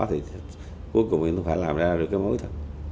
thì cuối cùng thì nó phải làm ra được cái mối thật